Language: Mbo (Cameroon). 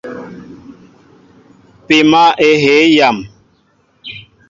Pima ehey yam.